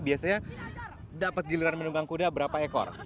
biasanya dapat giliran menunggang kuda berapa ekor